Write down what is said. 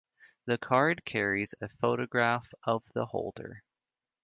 The card carries a photograph of the holder.